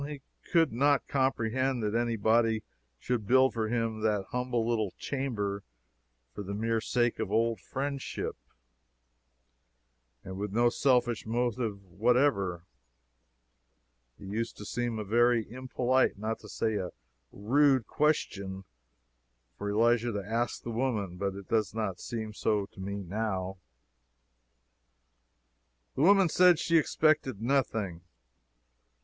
He could not comprehend that any body should build for him that humble little chamber for the mere sake of old friendship, and with no selfish motive whatever. It used to seem a very impolite, not to say a rude, question, for Elisha to ask the woman, but it does not seem so to me now. The woman said she expected nothing.